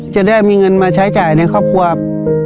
จะได้มีเงินมาใช้จ่ายในครอบครัว